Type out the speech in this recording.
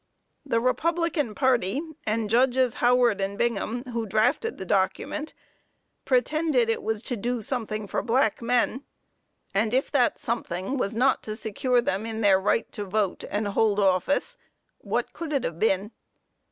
The republican party, and Judges Howard and Bingham, who drafted the document, pretended it was to do something for black men; and if that something was not to secure them in their right to vote and hold office, what could it have been?